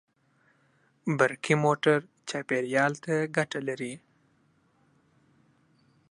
برقي موټر چاپېریال ته ګټه لري.